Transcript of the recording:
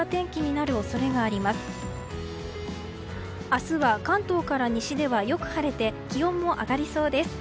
明日は関東から西ではよく晴れて気温も上がりそうです。